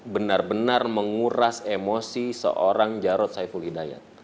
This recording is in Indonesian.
benar benar menguras emosi seorang jarod saiful hidayat